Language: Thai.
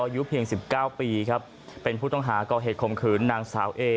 อายุเพียง๑๙ปีครับเป็นผู้ต้องหาก่อเหตุข่มขืนนางสาวเอ